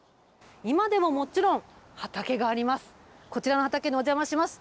今でももちろん、畑があります。